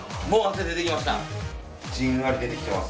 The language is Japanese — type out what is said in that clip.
じんわり出てきてます。